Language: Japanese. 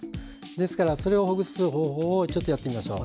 ですから、それをほぐす方法をやってみましょう。